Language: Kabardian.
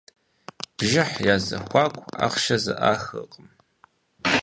Бжыхь я зэхуакуу ахъшэ зэӏахыркъым.